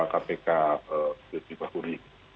kpk bipi bahuri